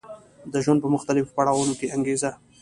د ژوند په مختلفو پړاوونو کې انګېزه